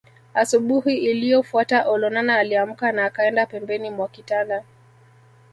Asubuhi iliyofuata Olonana aliamka na akaenda pembeni mwa kitanda